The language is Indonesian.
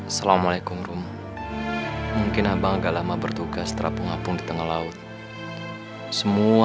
assalamualaikum rumah mungkin abang agak lama bertugas terapung apung di tengah laut semua